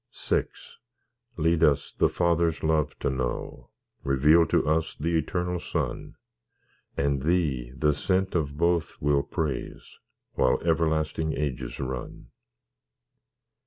VI Lead us the Father's love to know; Reveal to us the Eternal Son; And Thee, the Sent of both, we'll praise, While everlasting ages run.